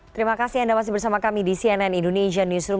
terima kasih anda masih bersama kami di cnn indonesia newsroom